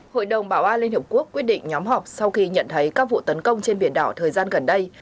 hội đồng bảo an liên hợp quốc quyết định nhóm họp sau khi nhận thấy các vụ tấn công trên biển đỏ thời gian gần đây